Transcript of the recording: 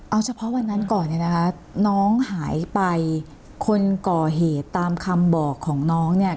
เอาเฉพาะวันนั้นก่อนเนี่ยนะคะน้องหายไปคนก่อเหตุตามคำบอกของน้องเนี่ย